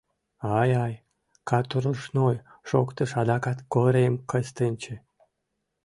— Ай-ай, катурушной, — шоктыш адакат Корем Кыстинчи.